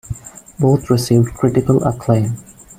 Both received critical acclaim.